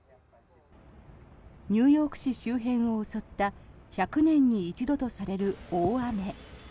ニューヨーク市周辺を襲った１００年に一度とされる大雨。